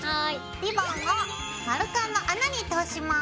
リボンを丸カンの穴に通します。